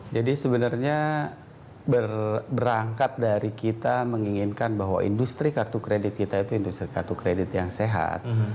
jadi sebenarnya berangkat dari kita menginginkan bahwa industri kartu kredit kita itu industri kartu kredit yang sehat